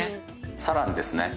さらにですね。